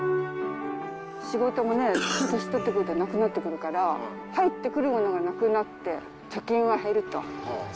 仕事もね、年取ってくるとなくなってくるから、入ってくるものがなくなって、貯金は減ると。